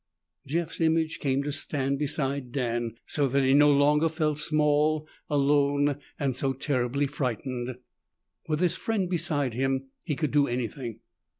Jeff's image came to stand beside Dan, so that he no longer felt small, alone and so terribly frightened. With his friend beside him, he could do anything.